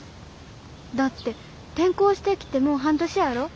だって転校してきてもう半年やろ？